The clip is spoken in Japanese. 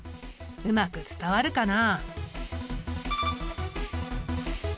うまく伝わるかな。